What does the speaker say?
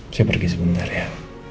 saya pergi sebentar ya